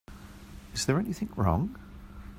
Is there anything wrong?